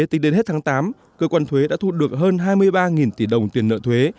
tính đến hết tháng tám cơ quan thuế đã thu được hơn hai mươi ba tỷ đồng tiền nợ thuế